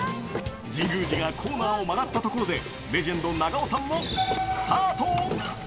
神宮寺がコーナーを曲がったところで、レジェンド、永尾さんもスタート。